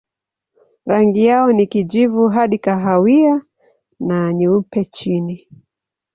Rangi yao ni kijivu hadi kahawia na nyeupe chini.